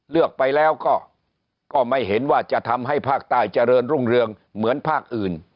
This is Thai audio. เลือกไปแล้วก็ไม่เห็นว่าจะทำให้ภาคใต้เจริญรุ่งเรืองเหมือนภาคอื่น